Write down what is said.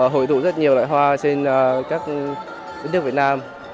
hội thụ rất nhiều loài hoa trên các nước việt nam